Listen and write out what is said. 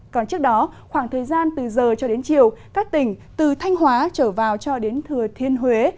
còn trước đó khoảng thời gian từ giờ cho đến chiều các tỉnh từ thanh hóa trở vào cho đến thừa thiên huế